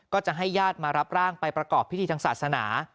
ก็จะให้ญาติมารับร่างไปประกอบพิธีทางศาสนา